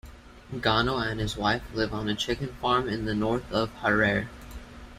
Gono and his wife live on a chicken farm in the north of Harare.